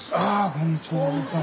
こんにちは。